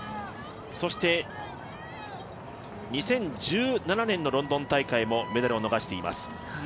そして、２０１７年のロンドン大会もメダルを逃しています。